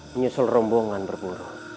menyusul rombongan berburu